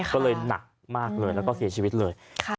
ก็เลยหนักมากเลยแล้วก็เสียชีวิตเลย